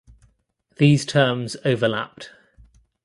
These terms overlapped.